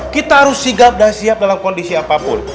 kita harus sigap dan siap dalam kondisi apapun